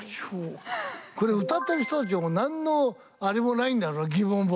これ歌ってる人たちは何のあれもないんだろ疑問も。